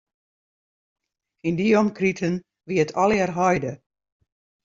Yn dy omkriten wie it allegear heide.